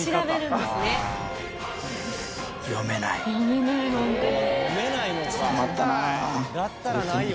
読めないホントに。